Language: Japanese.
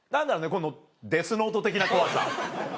このデスノート的な怖さ。